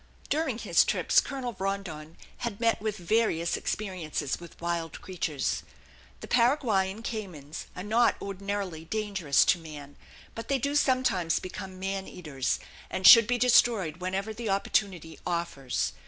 During his trips Colonel Rondon had met with various experiences with wild creatures. The Paraguayan caymans are not ordinarily dangerous to man; but they do sometimes become man eaters and should be destroyed whenever the opportunity offers.